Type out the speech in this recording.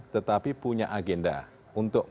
tetapi punya agenda untuk